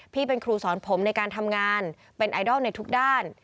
พี่เป็นครูสอนผมในการทำงานเป็นไอดอลในทุกด้าน